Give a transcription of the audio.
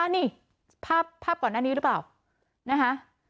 นี่ภาพก่อนอันนี้หรือเปล่า